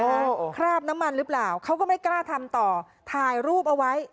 ใช่คราบน้ำมันหรือเปล่าเขาก็ไม่กล้าทำต่อถ่ายรูปเอาไว้